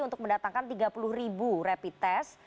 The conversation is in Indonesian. untuk mendatangkan tiga puluh ribu rapid test